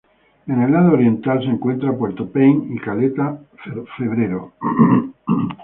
En el lado oriental, se encuentran puerto Payne y caleta Febrero.